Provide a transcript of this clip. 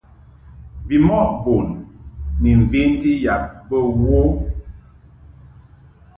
Bimɔʼ bun ni mventi yab bə wo.